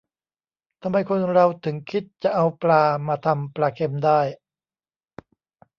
ทำไมคนเราถึงคิดจะเอาปลามาทำปลาเค็มได้